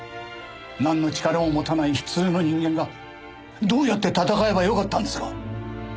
なんの力も持たない普通の人間がどうやって戦えば良かったんですか？